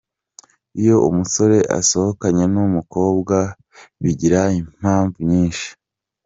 Iyo umusore asohokanye n’umukobwa bigira impamvu nyinshi.